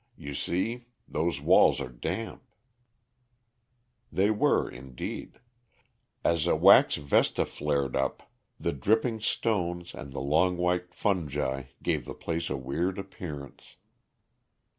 You see, those walls are damp." They were, indeed. As a wax vesta flared up, the dripping stones and the long white fungi gave the place a weird appearance.